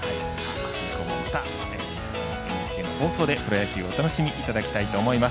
明日以降もまたＮＨＫの放送でプロ野球をお楽しみいただきたいと思います。